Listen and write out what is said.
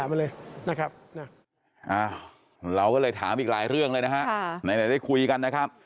มีอีกหลายเรื่องเลยนะฮะในที่ได้คุยกันนะครับ